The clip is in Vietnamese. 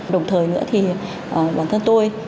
đồng thời nữa thì bản thân tôi